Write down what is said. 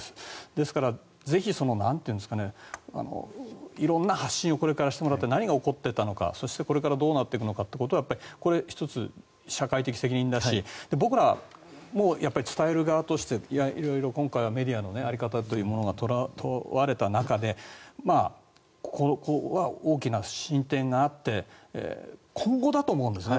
ですから、ぜひ色んな発信をこれからしてもらって何が起こっていたのかそして、これからどうなっていくのかということこれ、１つ社会的責任だし僕らも伝える側として色々今回、メディアの在り方というものが問われた中でここは大きな進展があって今後だと思うんですね。